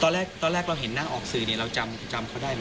ตอนแรกตอนแรกเราเห็นหน้าออกสื่อเราจำเขาได้ไหม